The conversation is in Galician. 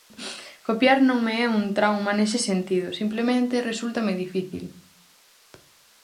Copiar non me é un trauma nese sentido, simplemente resúltame difícil.